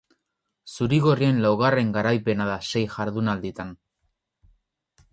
Zurigorrien laugarren garaipena da sei jardunalditan.